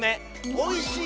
おいしい